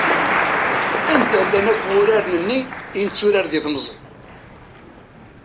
Anda llan akk wuraren-nni i netturar di temẓi?